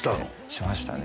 しましたね